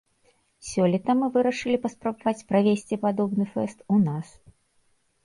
Сёлета мы вырашылі паспрабаваць правесці падобны фэст у нас.